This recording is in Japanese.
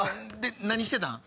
何してたん？